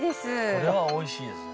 これはおいしいですね。